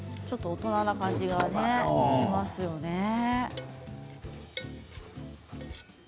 ちょっと大人の感じがしますよね。